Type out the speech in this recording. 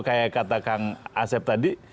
kayak katakan asep tadi